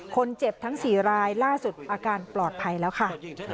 คนเจ็บทั้งสี่รายล่าสุดอาการปลอดภัยแล้วค่ะ